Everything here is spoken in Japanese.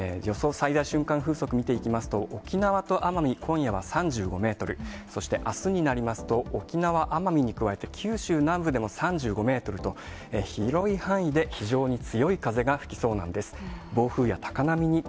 最大瞬間風速見ていきますと、沖縄と奄美、今夜は３５メートル、そしてあすになりますと、沖縄・奄美に加えて九州南部でも３５メートルと、広い範囲で非常に強い風が吹きそうなんです。